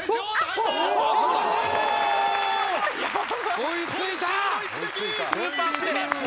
追いついた！